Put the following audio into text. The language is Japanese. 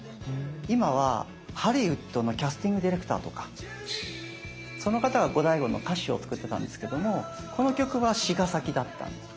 今はハリウッドのキャスティングディレクターとかその方がゴダイゴの歌詞を作ってたんですけどもこの曲は詞が先だったんです。